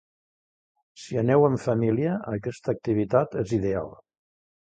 Si aneu en família, aquesta activitat és ideal.